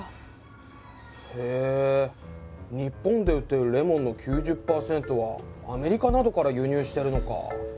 へえ日本で売ってるレモンの９０％はアメリカなどから輸入してるのか。